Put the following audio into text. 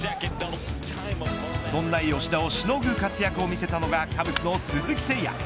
そんな吉田をしのぐ活躍を見せたのがカブスの鈴木誠也。